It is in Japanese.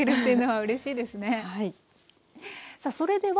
はい。